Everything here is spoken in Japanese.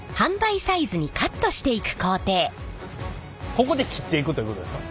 ここで切っていくということですか？